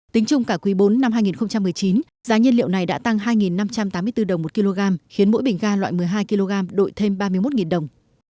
tính chung cả quý bốn năm hai nghìn một mươi chín giá nhiên liệu này đã tăng hai năm trăm tám mươi bốn đồng một kg khiến mỗi bình ga loại một mươi hai kg đổi thêm ba mươi một đồng